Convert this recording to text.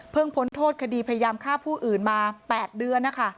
พ้นโทษคดีพยายามฆ่าผู้อื่นมา๘เดือนนะคะ